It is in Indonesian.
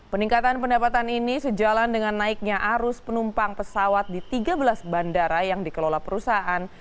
peningkatan pendapatan ini sejalan dengan naiknya arus penumpang pesawat di tiga belas bandara yang dikelola perusahaan